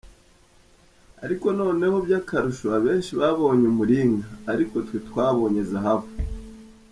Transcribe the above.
Ariko noneho by’akarusho abenshi babonye umuringa, ariko twe twabonye zahabu.